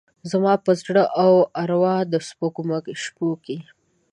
زما پر زړه او اروا د سپوږمۍ شپوکې،